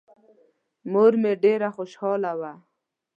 مور مې ډېره خوشحاله وه.